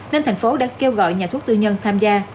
nên thành phố đã kêu gọi nhà thuốc tư nhân tham gia